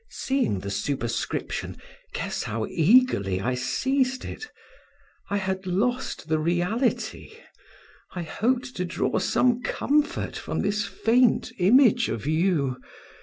Seeing the superscription, guess how eagerly I seized it! I had lost the reality; I hoped to draw some comfort from this faint image of you.